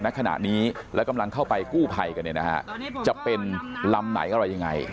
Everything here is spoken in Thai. ณขณะนี้และกำลังเข้าไปกู้ภัยกันเนี่ยนะฮะจะเป็นลำไหนอะไรยังไง